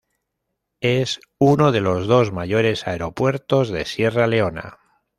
Es uno de los dos mayores aeropuertos de Sierra Leona.